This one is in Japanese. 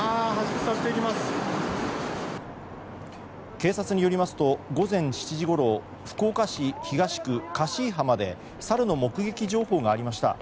警察によりますと午前７時ごろ福岡市東区香椎浜でサルの目撃情報がありました。